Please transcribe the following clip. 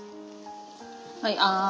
はいあん。